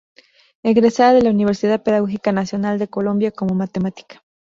Egresada de la Universidad Pedagógica Nacional de Colombia como Matemática.